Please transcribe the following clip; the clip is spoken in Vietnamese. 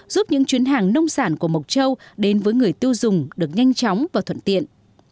giúp những chuyến hàng nông sản của mộc châu đến với người tiêu dùng được nhanh chóng và thuận tiện